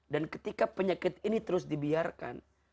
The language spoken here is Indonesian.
dan ketika penyakit ini terus dibiarkan